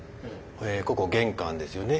ここ玄関ですよね。